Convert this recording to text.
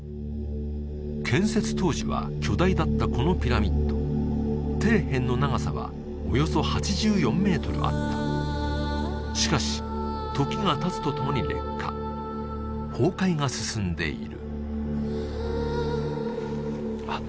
建設当時は巨大だったこのピラミッド底辺の長さはおよそ８４メートルあったしかし時がたつとともに劣化崩壊が進んでいるあっ